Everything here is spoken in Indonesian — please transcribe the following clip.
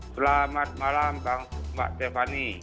selamat malam mbak stephanie